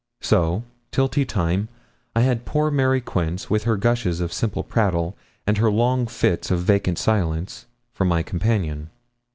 So till tea time I had poor Mary Quince, with her gushes of simple prattle and her long fits of vacant silence, for my companion.